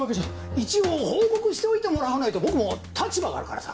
一応報告しておいてもらわないと僕も立場があるからさ。